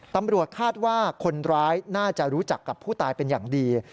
ตำรวจคาดว่าคนร้ายน่าจะรู้จักกับผู้ตายเป็นอย่างดี